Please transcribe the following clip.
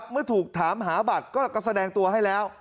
เมื่อถูกถามหาบัตรก็แสดงตัวให้แล้ว